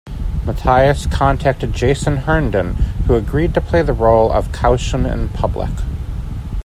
Matias contacted Jason Herndon who agreed to play the role of Caushun in public.